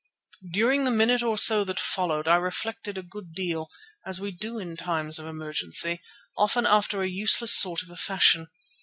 During the minute or so that followed I reflected a good deal, as we do in times of emergency, often after a useless sort of a fashion.